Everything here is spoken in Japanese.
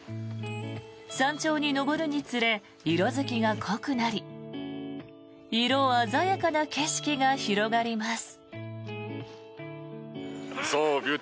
山頂に登るにつれ色付きが濃くなり色鮮やかな景色が広がります。